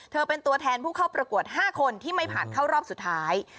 เป็นตัวแทนผู้เข้าประกวด๕คนที่ไม่ผ่านเข้ารอบสุดท้าย